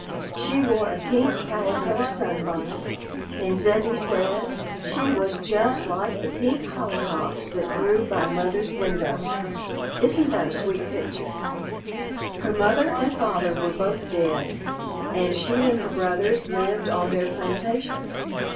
She wore a pink calico sunbonnet, and Zebbie says "she was just like the pink hollyhocks that grew by mother's window." Isn't that a sweet picture? Her mother and father were both dead, and she and her brothers lived on their plantation.